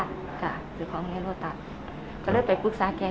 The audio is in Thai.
ซื้อของอยู่ในโลตะก็เลยไปปรึกษาแก